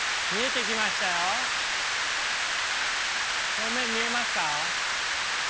正面見えますか？